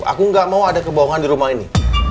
aku gak mau ada kebohongan di rumah ini